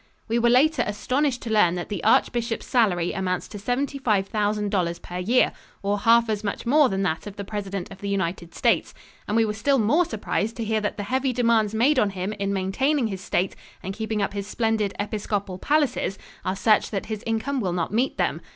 We were later astonished to learn that the archbishop's salary amounts to $75,000 per year, or half as much more than that of the President of the United States, and we were still more surprised to hear that the heavy demands made on him in maintaining his state and keeping up his splendid episcopal palaces are such that his income will not meet them.